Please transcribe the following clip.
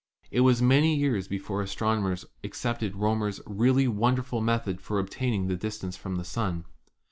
It was many years before astronomers accepted Roemer's really wonderful method for obtaining the dis tance from the Sun.